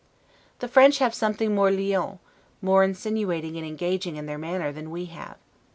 The French have something more 'liant', more insinuating and engaging in their manner, than we have.